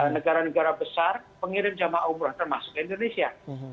negara negara besar pengirim jamaah umroh termasuk indonesia